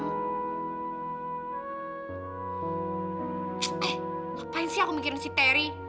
apaan sih aku mikirin si terry